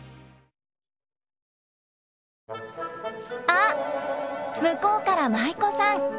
あっ向こうから舞妓さん。